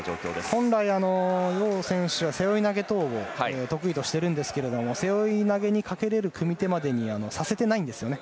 本来、ヨウ選手は背負い投げを得意としているんですが背負い投げにかけられる組み手にまでさせていないんですね。